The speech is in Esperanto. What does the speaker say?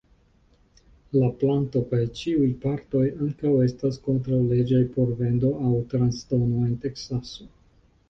La planto kaj ĉiuj partoj ankaŭ estas kontraŭleĝaj por vendo aŭ transdono en Teksaso.